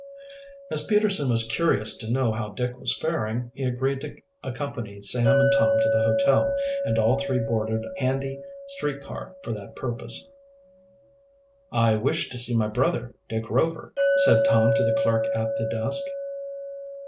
As Peterson was curious to know how Dick was faring, he agreed to accompany Sam and Tom to the hotel, and all three boarded a handy street car for that purpose. "I wish to see my brother, Dick Rover," said Tom to the clerk at the desk.